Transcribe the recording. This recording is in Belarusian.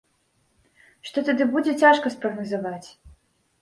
Што тады будзе, цяжка спрагназаваць.